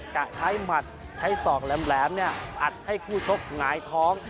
จะใช้หมัดใช้ศอกแหลมอัดให้คู่ชกหงายท้อง